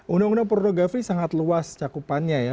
undang undang pornografi sangat luas cakupannya ya